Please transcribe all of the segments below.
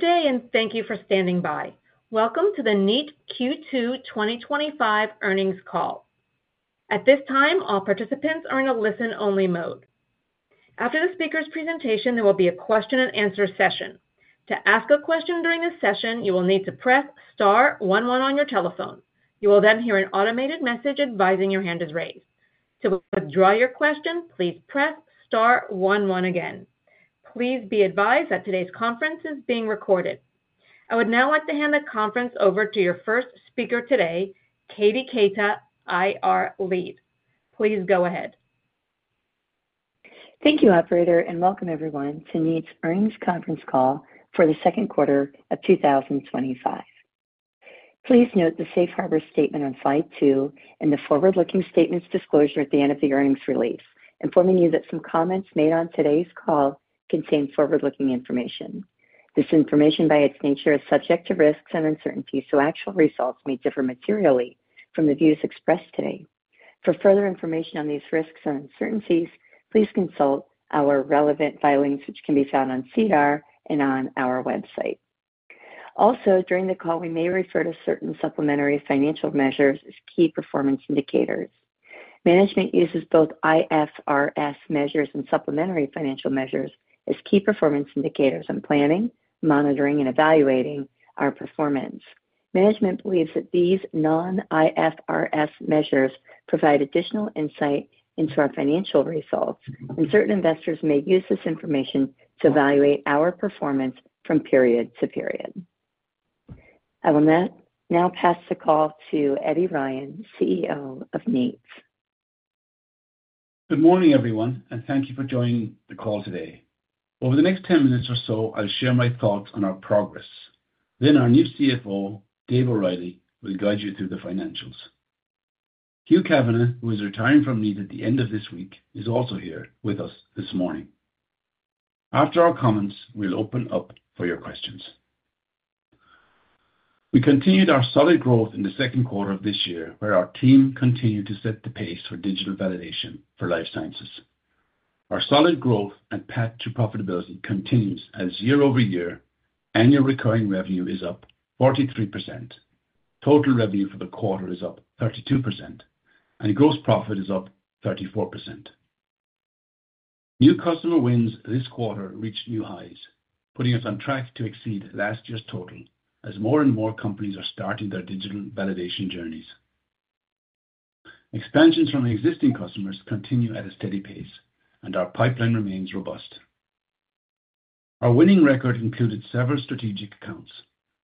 Today, and thank you for standing by. Welcome to the Kneat Q2 2025 earnings call. At this time, all participants are in a listen-only mode. After the speaker's presentation, there will be a question and answer session. To ask a question during this session, you will need to press star one one on your telephone. You will then hear an automated message advising your hand is raised. To withdraw your question, please press star one one again. Please be advised that today's conference is being recorded. I would now like to hand the conference over to your first speaker today, Katie Keita, IR Lead. Please go ahead. Thank you, Operator, and welcome everyone to Kneat's earnings conference call for the second quarter of 2025. Please note the safe harbor statement on slide two and the forward-looking statements disclosure at the end of the earnings release, informing you that some comments made on today's call contain forward-looking information. This information, by its nature, is subject to risks and uncertainties, so actual results may differ materially from the views expressed today. For further information on these risks and uncertainties, please consult our relevant filings, which can be found on CDAR and on our website. Also, during the call, we may refer to certain supplementary financial measures as key performance indicators. Management uses both IFRS measures and supplementary financial measures as key performance indicators in planning, monitoring, and evaluating our performance. Management believes that these non-IFRS measures provide additional insight into our financial results, and certain investors may use this information to evaluate our performance from period to period. I will now pass the call to Eddie Ryan, CEO of Kneat. Good morning, everyone, and thank you for joining the call today. Over the next 10 minutes or so, I'll share my thoughts on our progress. Our new CFO, Dave O'Reilly, will guide you through the financials. Hugh Kavanagh, who is retiring from Kneat at the end of this week, is also here with us this morning. After our comments, we'll open up for your questions. We continued our solid growth in the second quarter of this year, where our team continued to set the pace for digital validation for life sciences. Our solid growth and path to profitability continues as year-over-year, annual recurring revenue is up 43%, total revenue for the quarter is up 32%, and gross profit is up 34%. New customer wins this quarter reached new highs, putting us on track to exceed last year's total as more and more companies are starting their digital validation journeys. Expansions from existing customers continue at a steady pace, and our pipeline remains robust. Our winning record included several strategic accounts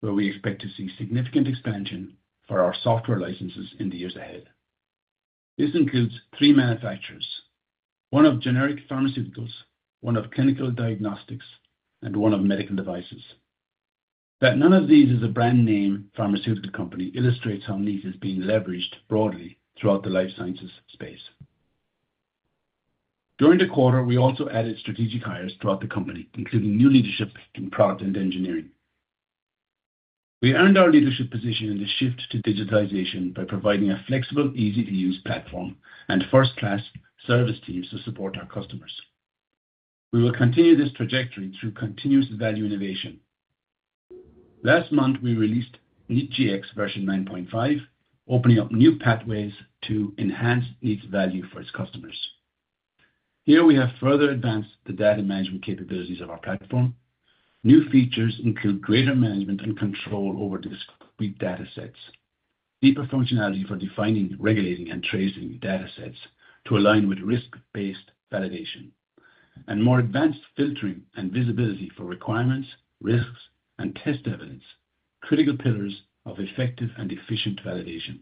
where we expect to see significant expansion for our software licenses in the years ahead. This includes three manufacturers: one of generic pharmaceuticals, one of clinical diagnostics, and one of medical devices. That none of these is a brand name pharmaceutical company illustrates how Kneat is being leveraged broadly throughout the life sciences space. During the quarter, we also added strategic hires throughout the company, including new leadership in product and engineering. We earned our leadership position in the shift to digitalization by providing a flexible, easy-to-use platform and first-class service teams to support our customers. We will continue this trajectory through continuous value innovation. Last month, we released Kneat Gx version 9.5, opening up new pathways to enhance Kneat's value for its customers. Here, we have further advanced the data management capabilities of our platform. New features include greater management and control over discrete datasets, deeper functionality for defining, regulating, and tracing datasets to align with risk-based validation, and more advanced filtering and visibility for requirements, risks, and test evidence, critical pillars of effective and efficient validation.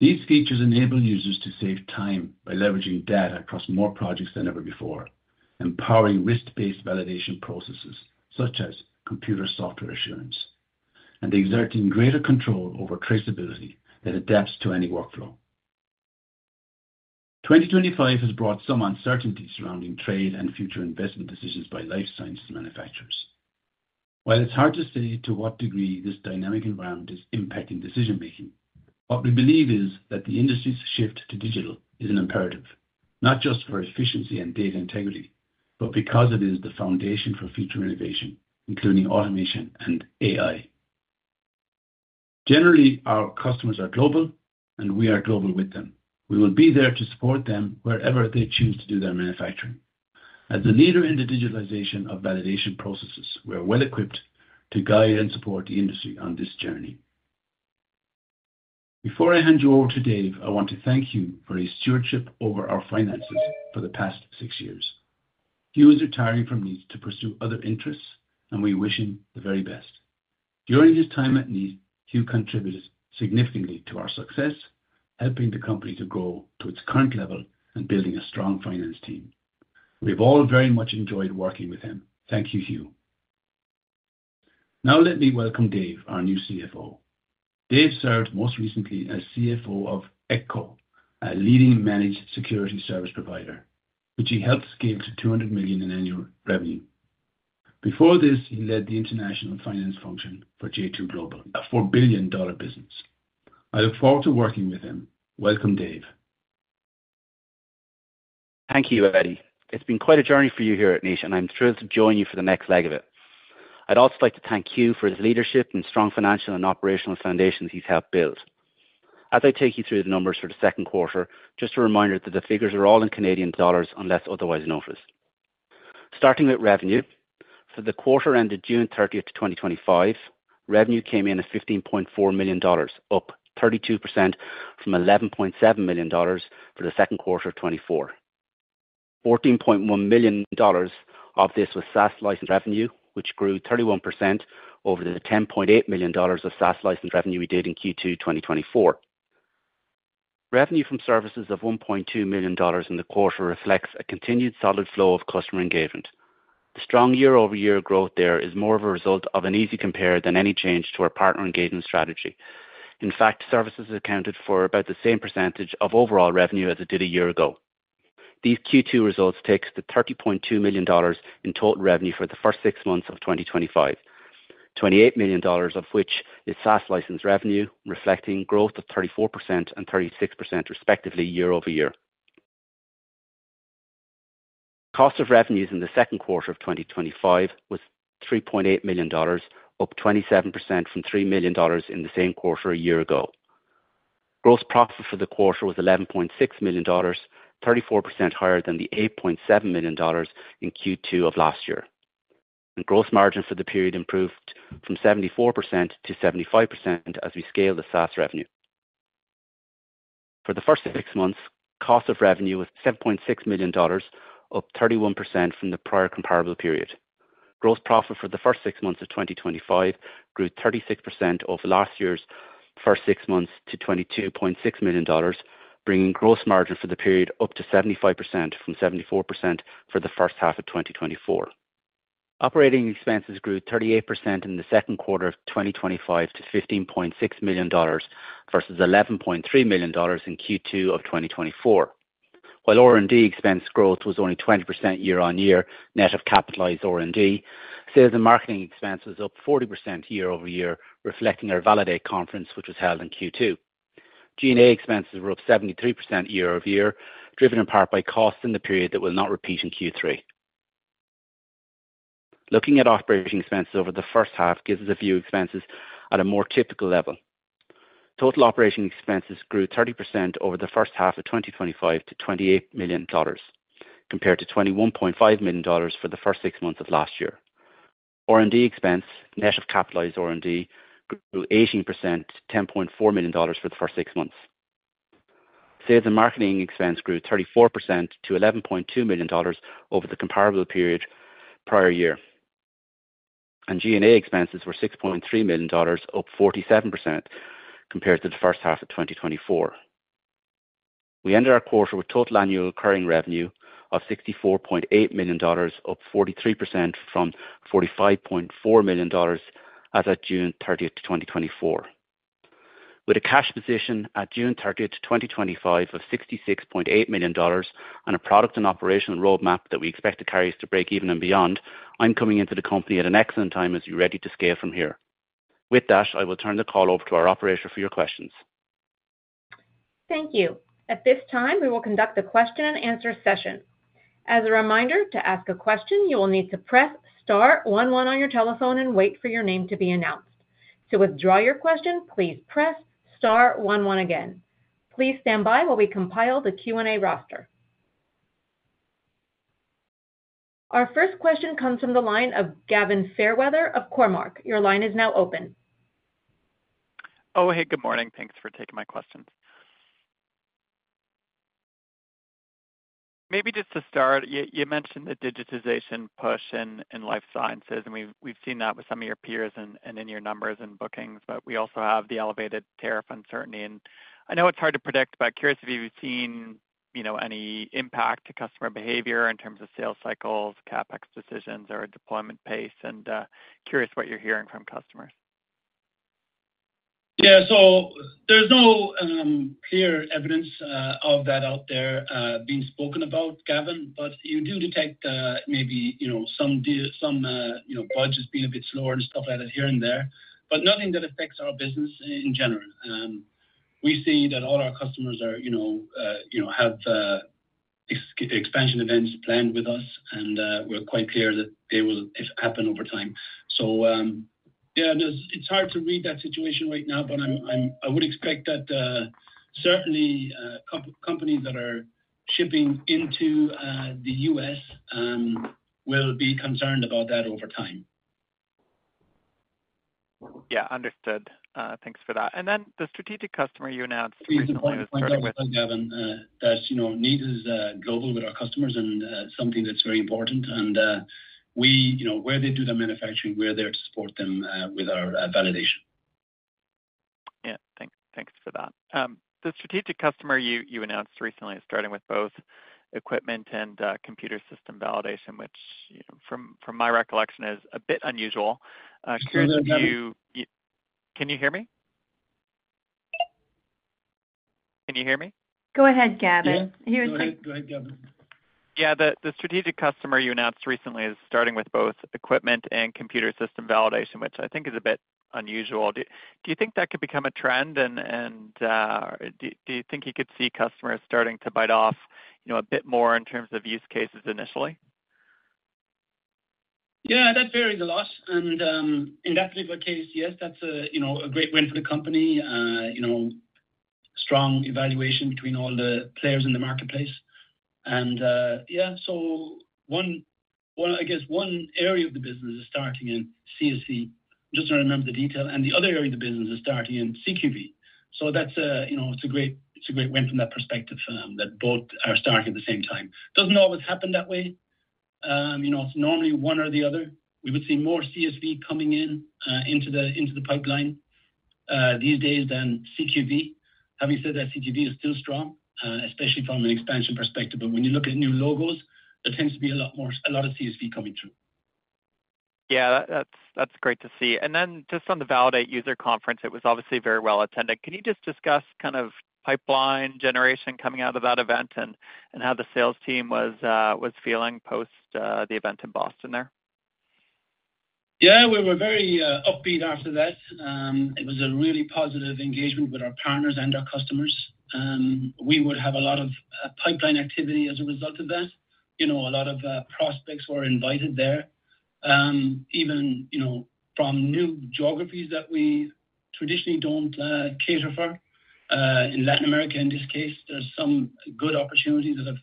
These features enable users to save time by leveraging data across more projects than ever before, empowering risk-based validation processes such as computer software assurance, and exerting greater control over traceability that adapts to any workflow. 2025 has brought some uncertainty surrounding trade and future investment decisions by life sciences manufacturers. While it's hard to say to what degree this dynamic environment is impacting decision-making, what we believe is that the industry's shift to digital is an imperative, not just for efficiency and data integrity, but because it is the foundation for future innovation, including automation and AI. Generally, our customers are global, and we are global with them. We will be there to support them wherever they choose to do their manufacturing. As a leader in the digitalization of validation processes, we are well equipped to guide and support the industry on this journey. Before I hand you over to Dave, I want to thank Hugh for his stewardship over our finances for the past six years. Hugh is retiring from Kneat to pursue other interests, and we wish him the very best. During his time at Kneat, Hugh contributed significantly to our success, helping the company to grow to its current level and building a strong finance team. We've all very much enjoyed working with him. Thank you, Hugh. Now let me welcome Dave, our new CFO. Dave served most recently as CFO of Ekco, a leading managed security service provider, which he helped scale to 200 million in annual revenue. Before this, he led the international finance function for J2 Global, a 4 billion dollar business. I look forward to working with him. Welcome, Dave. Thank you, Eddie. It's been quite a journey for you here at Kneat, and I'm thrilled to join you for the next leg of it. I'd also like to thank Hugh for his leadership and strong financial and operational foundations he's helped build. As I take you through the numbers for the second quarter, just a reminder that the figures are all in Canadian dollars unless otherwise noted. Starting with revenue, for the quarter ended June 30th, 2025, revenue came in at 15.4 million dollars, up 32% from 11.7 million dollars for the second quarter of 2024. 14.1 million dollars of this was SaaS license revenue, which grew 31% over the 10.8 million dollars of SaaS license revenue we did in Q2 2024. Revenue from services of 1.2 million dollars in the quarter reflects a continued solid flow of customer engagement. The strong year-over-year growth there is more of a result of an easy compare than any change to our partner engagement strategy. In fact, services accounted for about the same percentage of overall revenue as it did a year ago. These Q2 results take us to 30.2 million dollars in total revenue for the first six months of 2025, 28 million dollars of which is SaaS license revenue, reflecting growth of 34% and 36% respectively year-over-year. Cost of revenue in the second quarter of 2025 was 3.8 million dollars, up 27% from 3 million dollars in the same quarter a year ago. Gross profit for the quarter was 11.6 million dollars, 34% higher than the 8.7 million dollars in Q2 of last year. Gross margin for the period improved from 74% to 75% as we scaled the SaaS revenue. For the first six months, cost of revenue was 7.6 million dollars, up 31% from the prior comparable period. Gross profit for the first six months of 2025 grew 36% over last year's first six months to 22.6 million dollars, bringing gross margin for the period up to 75% from 74% for the first half of 2024. Operating expenses grew 38% in the second quarter of 2025 to 15.6 million dollars versus 11.3 million dollars in Q2 of 2024. While R&D expense growth was only 20% year-on-year, net of capitalized R&D, sales and marketing expense was up 40% year-over-year, reflecting our VALIDATE CONFERENCE, which was held in Q2. G&A expenses were up 73% year-over-year, driven in part by costs in the period that will not repeat in Q3. Looking at operating expenses over the first half gives us a view of expenses at a more typical level. Total operating expenses grew 30% over the first half of 2025 to 28 million dollars, compared to 21.5 million dollars for the first six months of last year. R&D expense, net of capitalized R&D, grew 18% to 10.4 million dollars for the first six months. Sales and marketing expense grew 34% to 11.2 million dollars over the comparable period prior year. G&A expenses were 6.3 million dollars, up 47% compared to the first half of 2024. We ended our quarter with total annual recurring revenue of 64.8 million dollars, up 43% from 45.4 million dollars as of June 30th, 2024. With a cash position at June 30th, 2025, of 66.8 million dollars and a product and operational roadmap that we expect to carry us to break even and beyond, I'm coming into the company at an excellent time as we're ready to scale from here. With that, I will turn the call over to our Operator for your questions. Thank you. At this time, we will conduct the question and answer session. As a reminder, to ask a question, you will need to press star one one on your telephone and wait for your name to be announced. To withdraw your question, please press star one one again. Please stand by while we compile the Q&A roster. Our first question comes from the line of Gavin Fairweather of Cormark. Your line is now open. Oh, hey, good morning. Thanks for taking my questions. Maybe just to start, you mentioned the digitization push in life sciences, and we've seen that with some of your peers and in your numbers and bookings. We also have the elevated tariff uncertainty. I know it's hard to predict, but I'm curious if you've seen any impact to customer behavior in terms of sales cycles, CapEx decisions, or deployment pace, and curious what you're hearing from customers. Yeah, there's no clear evidence of that out there being spoken about, Gavin, but you do detect maybe some budgets being a bit slower and stuff like that here and there, but nothing that affects our business in general. We see that all our customers have expansion events planned with us, and we're quite clear that they will happen over time. It's hard to read that situation right now, but I would expect that certainly companies that are shipping into the U.S. will be concerned about that over time. Yeah, understood. Thanks for that. The strategic customer you announced recently. Starting with that, Gavin, that's, you know, Kneat is global with our customers and something that's very important. We, you know, where they do their manufacturing, we're there to support them with our validation. Yeah, thanks for that. The strategic customer you announced recently is starting with both equipment and computer system validation, which, you know, from my recollection, is a bit unusual. Curious if you can hear me? Can you hear me? Go ahead, Gavin. Yeah, the strategic customer you announced recently is starting with both equipment and computer system validation, which I think is a bit unusual. Do you think that could become a trend, and do you think you could see customers starting to bite off, you know, a bit more in terms of use cases initially? Yeah, that's varying a lot. In that particular case, yes, that's a great win for the company. Strong evaluation between all the players in the marketplace. One area of the business is starting in CSV. I'm just trying to remember the detail. The other area of the business is starting in CQV. It's a great win from that perspective that both are starting at the same time. It doesn't always happen that way. It's normally one or the other. We would see more CSV coming into the pipeline these days than CQV. Having said that, CQV is still strong, especially from an expansion perspective. When you look at new logos, there tends to be a lot more CSV coming through. That's great to see. Just on the VALIDATE CONFERENCE, it was obviously very well attended. Can you discuss kind of pipeline generation coming out of that event and how the sales team was feeling post the event in Boston? Yeah, we were very upbeat after that. It was a really positive engagement with our partners and our customers. We would have a lot of pipeline activity as a result of that. A lot of prospects were invited there, even from new geographies that we traditionally don't cater for. In Latin America, in this case, there's some good opportunities that have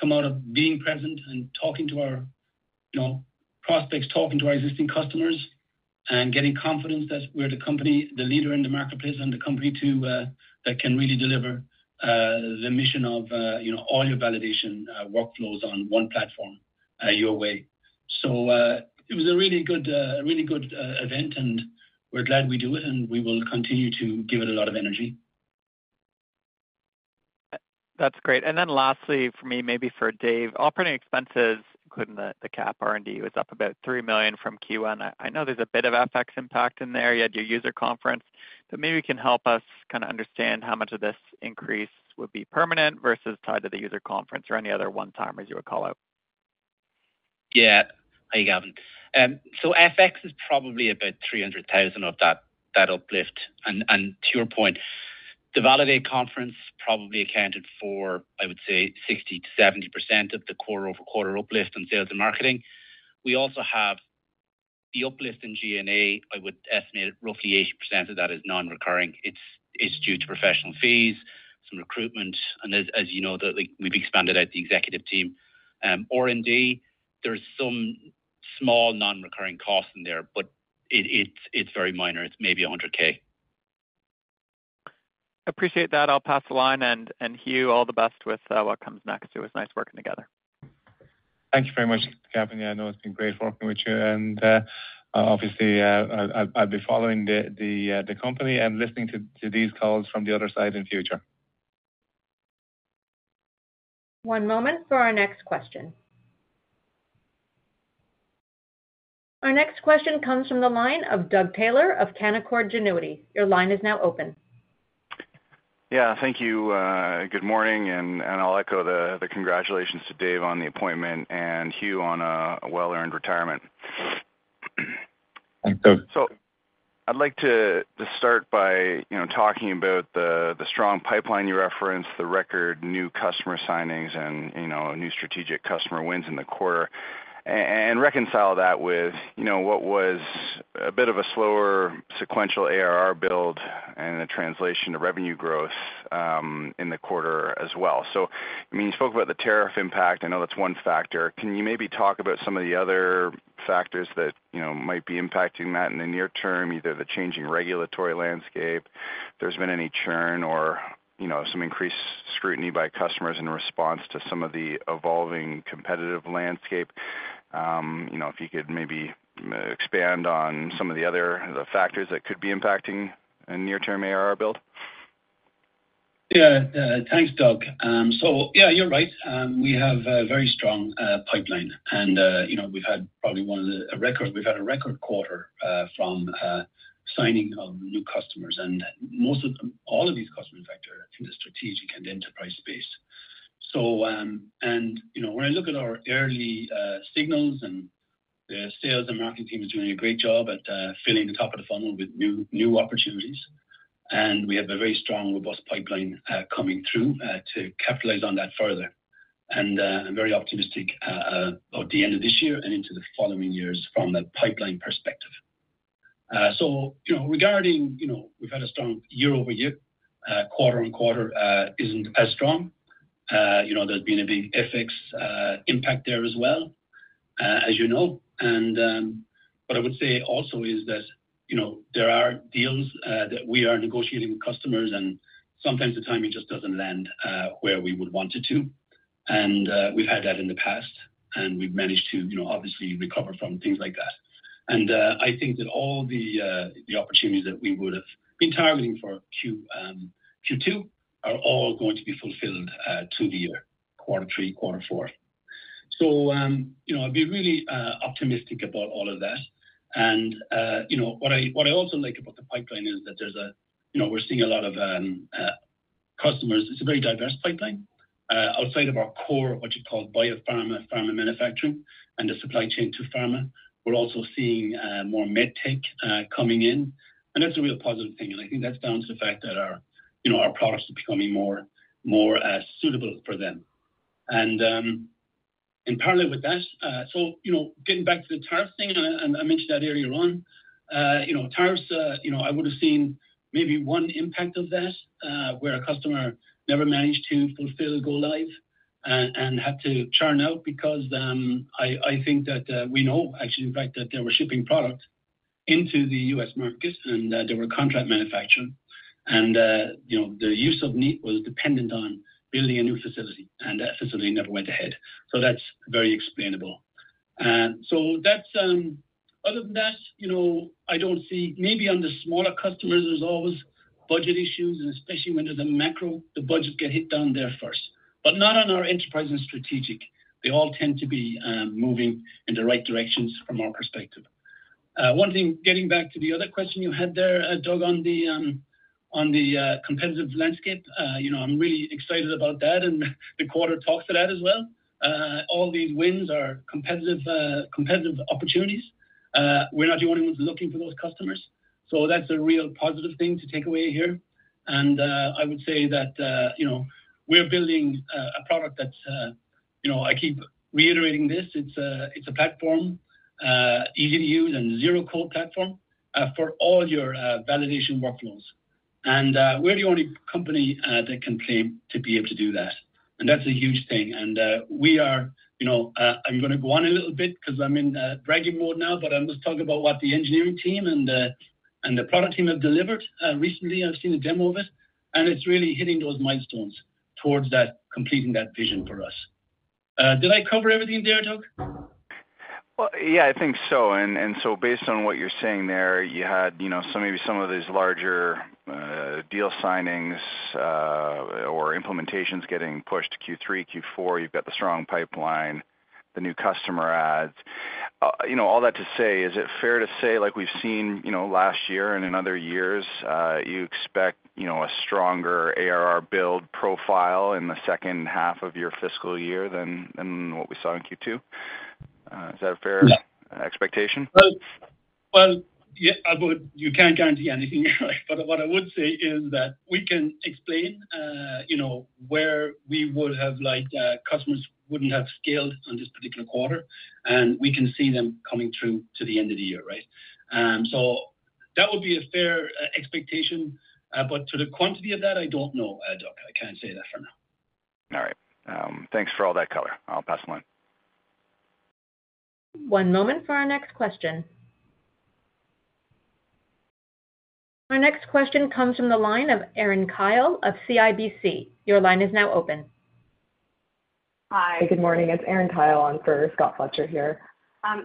come out of being present and talking to our prospects, talking to our existing customers, and getting confidence that we're the company, the leader in the marketplace and the company that can really deliver the mission of all your validation workflows on one platform your way. It was a really good, really good event, and we're glad we do it, and we will continue to give it a lot of energy. That's great. Lastly, for me, maybe for Dave, operating expenses including the Cap R&D was up about 3 million from Q1. I know there's a bit of FX impact in there, you had your user conference, but maybe you can help us kind of understand how much of this increase would be permanent versus tied to the user conference or any other one-timers you would call out. Yeah, hi Gavin. FX is probably about 300,000 of that uplift. To your point, VALIDATE CONFERENCE probably accounted for, I would say, 60%-70% of the quarter-over-quarter uplift on sales and marketing. We also have the uplift in G&A. I would estimate roughly 80% of that is non-recurring. It's due to professional fees, some recruitment, and as you know, we've expanded out the executive team. R&D, there's some small non-recurring costs in there, but it's very minor. It's maybe 100,000. Appreciate that. I'll pass the line, and Hugh, all the best with what comes next. It was nice working together. Thank you very much, Gavin. Yeah, I know it's been great working with you, and obviously, I'll be following the company and listening to these calls from the other side in the future. One moment for our next question. Our next question comes from the line of Doug Taylor of Canaccord Genuity. Your line is now open. Thank you. Good morning, and I'll echo the congratulations to Dave on the appointment and Hugh on a well-earned retirement. Thanks, Doug. I'd like to start by talking about the strong pipeline you referenced, the record new customer signings, and new strategic customer wins in the quarter, and reconcile that with what was a bit of a slower sequential ARR build and the translation to revenue growth in the quarter as well. You spoke about the tariff impact. I know that's one factor. Can you maybe talk about some of the other factors that might be impacting that in the near term, either the changing regulatory landscape, if there's been any churn or some increased scrutiny by customers in response to some of the evolving competitive landscape? If you could maybe expand on some of the other factors that could be impacting a near-term ARR build. Yeah, thanks, Doug. You're right. We have a very strong pipeline, and we've had probably one of the record, we've had a record quarter from signing of new customers, and most of all of these customers are in the strategic and enterprise space. When I look at our early signals, the sales and marketing team is doing a great job at filling the top of the funnel with new opportunities, and we have a very strong, robust pipeline coming through to capitalize on that further. I'm very optimistic about the end of this year and into the following years from the pipeline perspective. Regarding, we've had a strong year-over-year. Quarter and quarter isn't as strong. There's been a big FX impact there as well, as you know. What I would say also is that there are deals that we are negotiating with customers, and sometimes the timing just doesn't land where we would want it to. We've had that in the past, and we've managed to recover from things like that. I think that all the opportunities that we would have been targeting for Q2 are all going to be fulfilled through the year, quarter three, quarter four. I'd be really optimistic about all of that. What I also like about the pipeline is that we're seeing a lot of customers. It's a very diverse pipeline outside of our core, what you call bio-pharma manufacturing and the supply chain to pharma. We're also seeing more medtech coming in, and that's a real positive thing. I think that's down to the fact that our products are becoming more suitable for them. In parallel with that, getting back to the tariff thing, I mentioned that earlier on. Tariffs, I would have seen maybe one impact of that where a customer never managed to fulfill the go live and had to churn out because I think that we know actually the fact that they were shipping product into the U.S. market and that they were contract manufacturing. The use of Kneat was dependent on building a new facility, and that facility never went ahead. That's very explainable. Other than that, I don't see, maybe on the smaller customers, there's always budget issues, and especially when the macro, the budget gets hit down there first, but not on our enterprise and strategic. They all tend to be moving in the right directions from our perspective. One thing, getting back to the other question you had there, Doug, on the competitive landscape, I'm really excited about that, and the quarter talks to that as well. All these wins are competitive opportunities. We're not the only ones looking for those customers. That's a real positive thing to take away here. I would say that we're building a product that's, I keep reiterating this, it's a platform, easy to use and zero-code platform for all your validation workflows. We're the only company that can claim to be able to do that. That's a huge thing. Are you going to go on a little bit? Because I'm in dragging mode now, but I'm just talking about what the engineering team and the product team have delivered. Recently, I've seen a demo of it, and it's really hitting those milestones towards completing that vision for us. Did I cover everything there, Doug? I think so. Based on what you're saying there, you had maybe some of these larger deal signings or implementations getting pushed to Q3, Q4. You've got the strong pipeline, the new customer adds. All that to say, is it fair to say, like we've seen last year and in other years, you expect a stronger ARR build profile in the second half of your fiscal year than what we saw in Q2? Is that a fair expectation? You can't guarantee anything here, but what I would say is that we can explain, you know, where we would have liked customers wouldn't have scaled on this particular quarter, and we can see them coming through to the end of the year, right? That would be a fair expectation, but to the quantity of that, I don't know, Doug. I can't say that for now. All right. Thanks for all that color. I'll pass the line. One moment for our next question. Our next question comes from the line of Erin Kyle of CIBC. Your line is now open. Hi. Good morning. It's Erin Kyle on for Scott Fletcher here.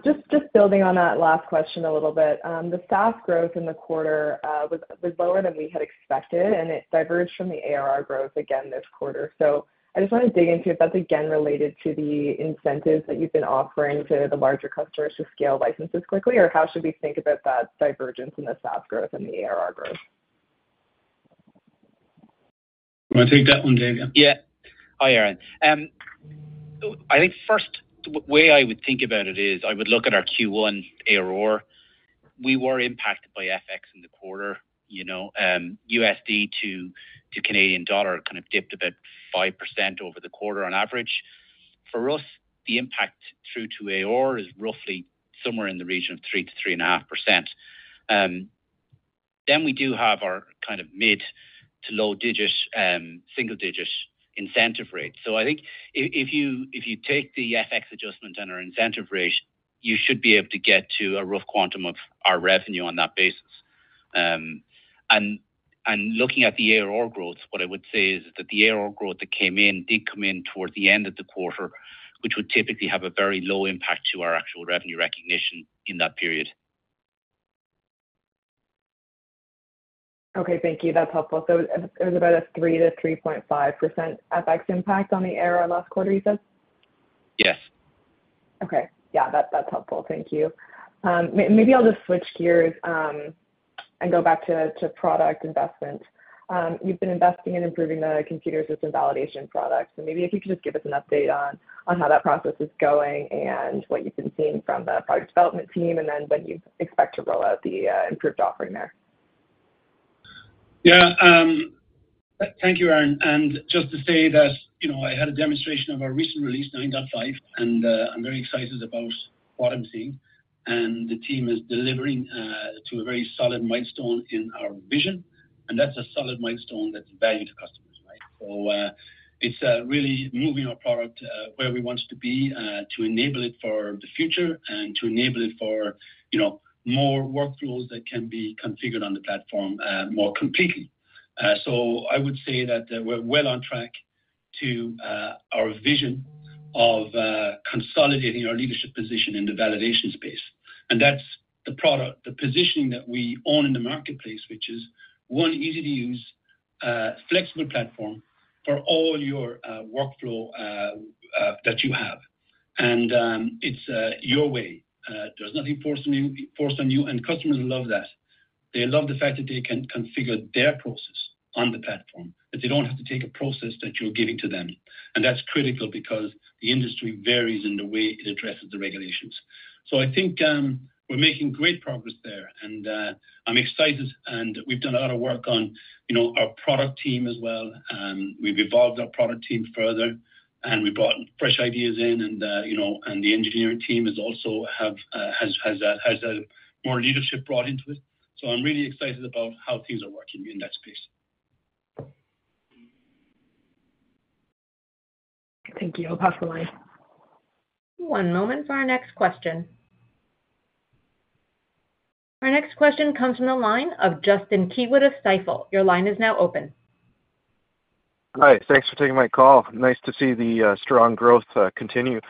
Just building on that last question a little bit, the SaaS growth in the quarter was lower than we had expected, and it diverged from the ARR growth again this quarter. I just want to dig into if that's again related to the incentives that you've been offering to the larger customers to scale licenses quickly, or how should we think about that divergence in the SaaS growth and the ARR growth? Want to take that one, Dave? Yeah. Hi, Erin. I think first, the way I would think about it is I would look at our Q1 ARR. We were impacted by FX in the quarter. You know, USD to Canadian dollar kind of dipped about 5% over the quarter on average. For us, the impact true to ARR is roughly somewhere in the region of 3%-3.5%. We do have our kind of mid to low single digit incentive rate. I think if you take the FX adjustment and our incentive rate, you should be able to get to a rough quantum of our revenue on that basis. Looking at the ARR growth, what I would say is that the ARR growth that came in did come in toward the end of the quarter, which would typically have a very low impact to our actual revenue recognition in that period. Okay. Thank you. That's helpful. It was about a 3%-3.5% FX impact on the ARR last quarter, you said? Yes. Okay, yeah, that's helpful. Thank you. Maybe I'll just switch gears and go back to product investment. You've been investing in improving the computer system validation product. Maybe if you could just give us an update on how that process is going and what you've been seeing from the product development team and when you expect to roll out the improved offering there. Yeah. Thank you, Erin. Just to say that I had a demonstration of our recent release in Kneat 9.5, and I'm very excited about what I'm seeing. The team is delivering to a very solid milestone in our vision, and that's a solid milestone that's valued to customers, right? It's really moving our product where we want it to be to enable it for the future and to enable it for more workflows that can be configured on the platform more completely. I would say that we're well on track to our vision of consolidating our leadership position in the validation space. That's the product, the positioning that we own in the marketplace, which is one easy-to-use, flexible platform for all your workflow that you have. It's your way. There's nothing forced on you, and customers love that. They love the fact that they can configure their process on the platform, but they don't have to take a process that you're giving to them. That's critical because the industry varies in the way it addresses the regulations. I think we're making great progress there, and I'm excited. We've done a lot of work on our product team as well. We've evolved our product team further, and we brought fresh ideas in, and the engineering team has also had more leadership brought into it. I'm really excited about how things are working in that space. Thank you. I'll pass the line. One moment for our next question. Our next question comes from the line of Justin Keywood of Stifel. Your line is now open. Hi. Thanks for taking my call. Nice to see the strong growth continue.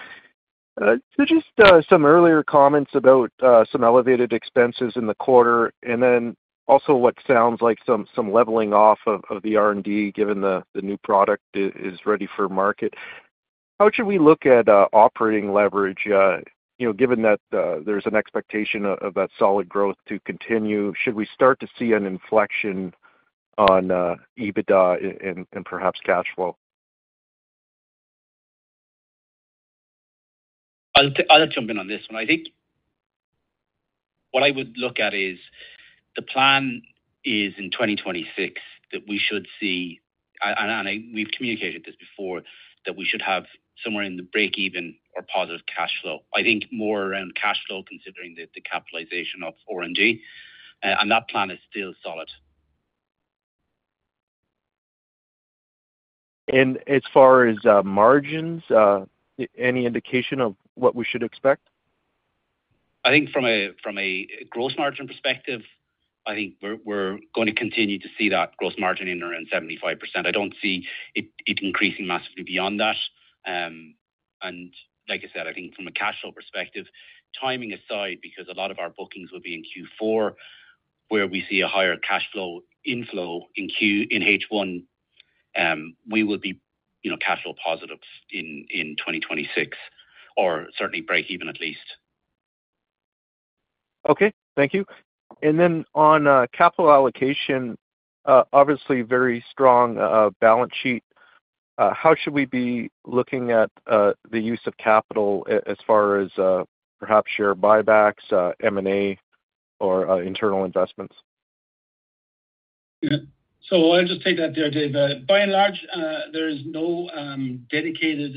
Just some earlier comments about some elevated expenses in the quarter, and then also what sounds like some leveling off of the R&D given the new product is ready for market. How should we look at operating leverage, you know, given that there's an expectation of that solid growth to continue? Should we start to see an inflection on EBITDA and perhaps cash flow? I'll jump in on this one. I think what I would look at is the plan is in 2026 that we should see, and we've communicated this before, that we should have somewhere in the break-even or positive cash flow. I think more around cash flow considering the capitalization of R&D. That plan is still solid. As far as margins, any indication of what we should expect? I think from a gross margin perspective, I think we're going to continue to see that gross margin in around 75%. I don't see it increasing massively beyond that. Like I said, I think from a cash flow perspective, timing aside, because a lot of our bookings will be in Q4, where we see a higher cash flow inflow in H1, we will be, you know, cash flow positives in 2026 or certainly break-even at least. Okay. Thank you. On capital allocation, obviously very strong balance sheet. How should we be looking at the use of capital as far as perhaps share buybacks, M&A, or internal investments? I'll just take that, Dave. By and large, there is no dedicated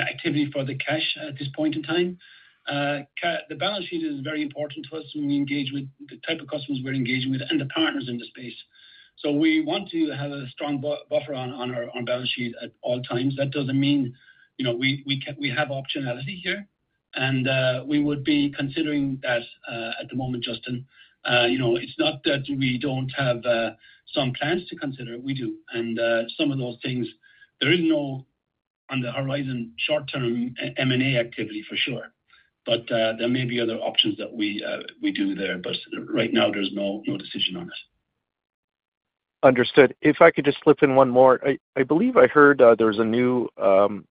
activity for the cash at this point in time. The balance sheet is very important to us when we engage with the type of customers we're engaging with and the partners in the space. We want to have a strong buffer on our balance sheet at all times. That doesn't mean we have optionality here, and we would be considering that at the moment, Justin. It's not that we don't have some plans to consider. We do. Some of those things, there is no on the horizon short-term M&A activity for sure, but there may be other options that we do there. Right now, there's no decision on it. Understood. If I could just slip in one more, I believe I heard there's a new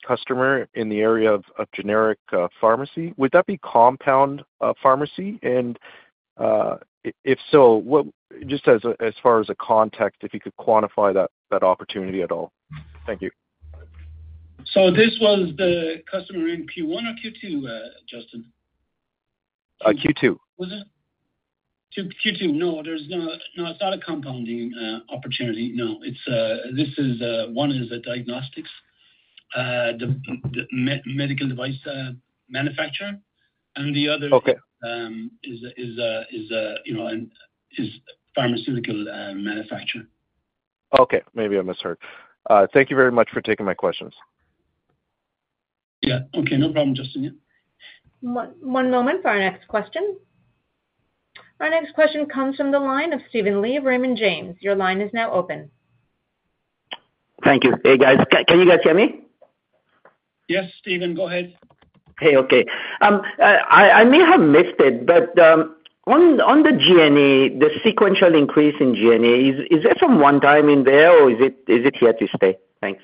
customer in the area of generic pharmacy. Would that be compound pharmacy? If so, just as far as a context, if you could quantify that opportunity at all. Thank you. Was this the customer in Q1 or Q2, Justin? Q2. Was it Q2? No, there's not a compounding opportunity. No, this one is a diagnostics, the medical device manufacturer, and the other is a pharmaceutical manufacturer. Okay. Maybe I misheard. Thank you very much for taking my questions. Yeah, okay. No problem, Justin. Yeah. One moment for our next question. Our next question comes from the line of Steven Lee of Raymond James. Your line is now open. Thank you. Hey, guys. Can you hear me? Yes, Steven, go ahead. Okay. I may have missed it, but on the G&A, the sequential increase in G&A, is that from one time in there, or is it here to stay? Thanks.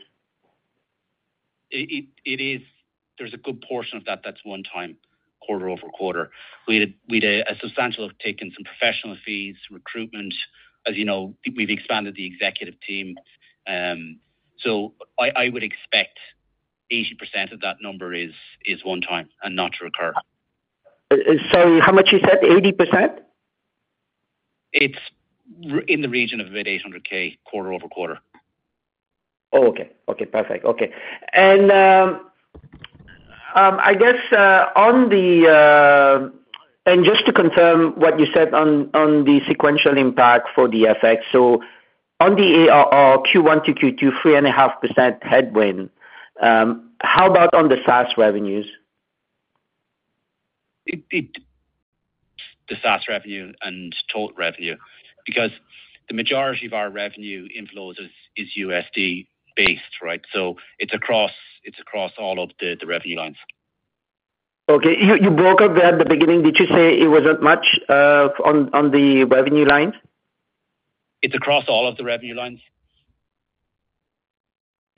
It is. There's a good portion of that that's one-time quarter over quarter. We'd substantially taken some professional fees, recruitment. As you know, we've expanded the executive team. I would expect 80% of that number is one-time and not to recur. Sorry, how much you said? 80%? It's in the region of about 800,000 quarter-over-quarter. Okay. Perfect. Okay. I guess, just to confirm what you said on the sequential impact for the FX, on the Q1 to Q2, 3.5% headwind. How about on the SaaS revenues? The SaaS revenue and total revenue, because the majority of our revenue inflows is USD-based, right? It's across all of the revenue lines. Okay. You broke up there at the beginning. Did you say it wasn't much on the revenue lines? It's across all of the revenue lines.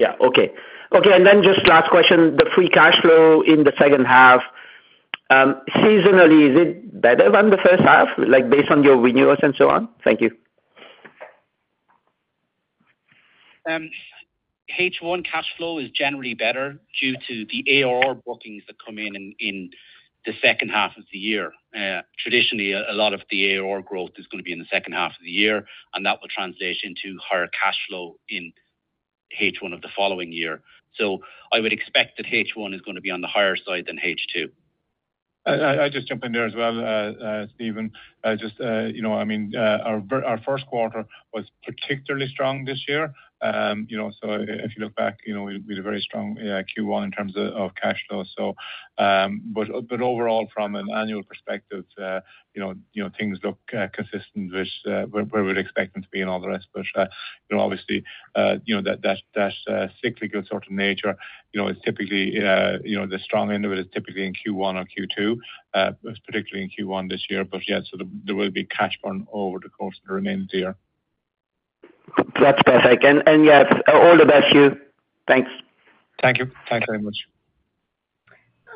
Okay. And then just last question, the free cash flow in the second half, seasonally, is it better than the first half, like based on your renewals and so on? Thank you. H1 cash flow is generally better due to the ARR bookings that come in in the second half of the year. Traditionally, a lot of the ARR growth is going to be in the second half of the year, and that will translate into higher cash flow in H1 of the following year. I would expect that H1 is going to be on the higher side than H2. I'll just jump in there as well, Steven. Our first quarter was particularly strong this year. If you look back, we had a very strong Q1 in terms of cash flow. Overall, from an annual perspective, things look consistent, which we're expecting to be in all the rest. Obviously, that's cyclical sort of nature. It's typically, the strong end of it is typically in Q1 or Q2. It's particularly in Q1 this year. Yes, there will be cash burn over the course of the remaining year. That's best. All the best, Hugh. Thanks. Thank you. Thanks very much.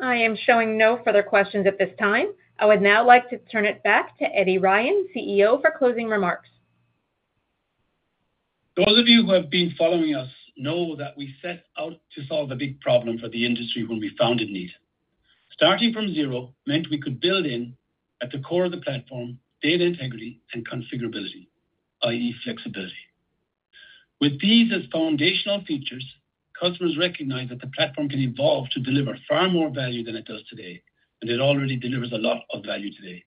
I am showing no further questions at this time. I would now like to turn it back to Eddie Ryan, CEO, for closing remarks. Those of you who have been following us know that we set out to solve a big problem for the industry when we founded Kneat. Starting from zero meant we could build in, at the core of the platform, data integrity and configurability, i.e., flexibility. With these as foundational features, customers recognize that the platform can evolve to deliver far more value than it does today, and it already delivers a lot of value today.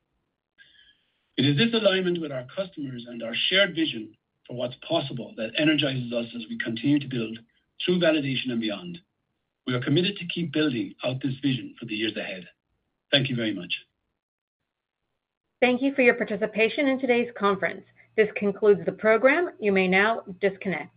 It is this alignment with our customers and our shared vision for what's possible that energizes us as we continue to build through validation and beyond. We are committed to keep building out this vision for the years ahead. Thank you very much. Thank you for your participation in today's conference. This concludes the program. You may now disconnect.